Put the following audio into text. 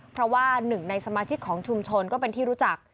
เพราะว่าหนึ่งในสมาชิกของชุมชนก็เป็นที่รู้จัก